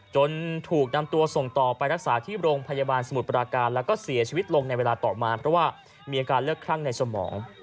ถูกนำตัวส่งต่อไปรักษาที่โรงพยาบาลสมุทรปราการแล้วก็เสียชีวิตลงในเวลาต่อมาเพราะว่ามีอาการเลือดคลั่งในสมอง